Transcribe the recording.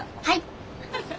はい。